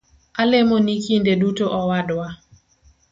Alemoni kinde duto owadwa